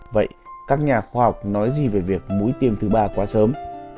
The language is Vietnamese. vậy các nhà khoa học nói gì về việc mũi tiêm thứ ba quá sớm